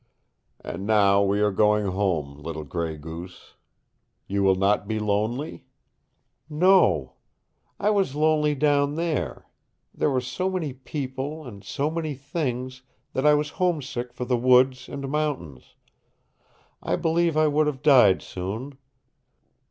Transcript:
"And now we are going home, little Gray Goose. You will not be lonely?" "No. I was lonely down there. There were so many people, and so many things, that I was homesick for the woods and mountains. I believe I would have died soon.